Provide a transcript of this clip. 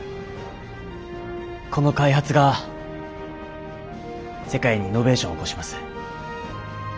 この開発が世界にイノベーションを起こします。